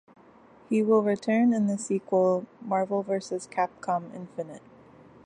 He will return in the sequel, "Marvel versus Capcom Infinite".